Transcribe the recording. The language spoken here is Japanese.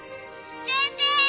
先生！